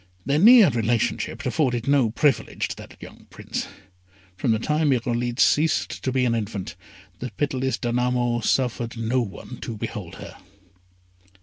Their near relationship afforded no privilege to that young Prince; from the time Irolite ceased to be an infant the pitiless Danamo suffered no one to behold her.